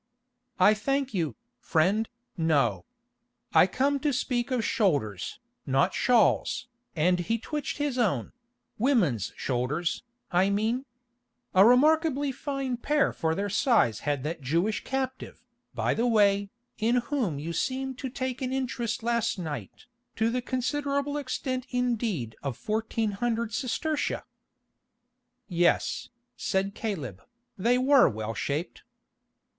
"I thank you, friend, no. I come to speak of shoulders, not shawls," and he twitched his own—"women's shoulders, I mean. A remarkably fine pair for their size had that Jewish captive, by the way, in whom you seemed to take an interest last night—to the considerable extent indeed of fourteen hundred sestertia." "Yes," said Caleb, "they were well shaped."